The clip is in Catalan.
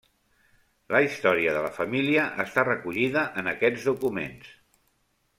La història de la família està recollida en aquests documents.